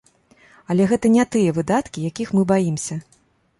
Але гэта не тыя выдаткі, якіх мы баімся.